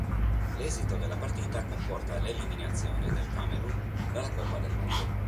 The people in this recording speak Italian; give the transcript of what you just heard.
L'esito della partita comporta l'eliminazione del Camerun dalla Coppa del Mondo.